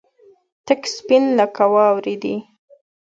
تک سپين لکه واورې دي.